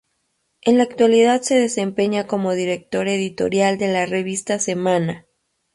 En la actualidad se desempeña como director editorial de la revista "Semana".